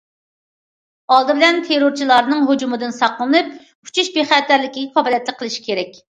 ئالدى بىلەن تېررورچىلارنىڭ ھۇجۇمىدىن ساقلىنىپ، ئۇچۇش بىخەتەرلىكىگە كاپالەتلىك قىلىش كېرەك.